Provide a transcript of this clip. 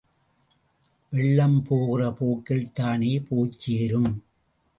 வெள்ளம் போகிற போக்கில்தானே போய்ச் சேரும்?